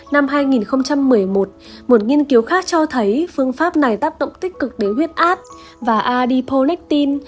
năm hai nghìn một mươi một một nghiên cứu khác cho thấy phương pháp này tác động tích cực đến huyết áp và adpollectin